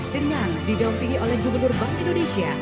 dengan didampingi oleh gubernur bank indonesia